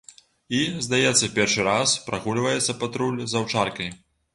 І, здаецца першы раз, прагульваецца патруль з аўчаркай.